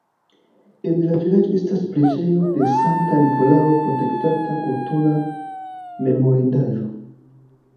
En la vilaĝo estas preĝejo de Sankta Nikolao, protektata kultura memorindaĵo.